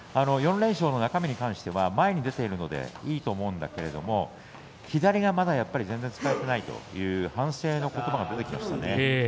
４連勝の中身に関しては前に出ているのでいいと思うんだけれど左が全然使えていないという反省のことばが出てきました。